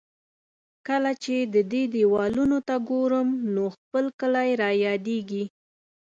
کله چې د دې دېوالونو ته ګورم، نو خپل کلی را یادېږي.